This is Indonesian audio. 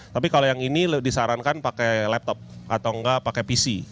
tapi kalau yang ini disarankan pakai laptop atau enggak pakai pc